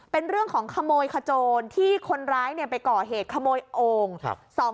เป็นเรื่องของขโมยขโจรที่คนร้ายไปก่อเหตุขโมยโอ่ง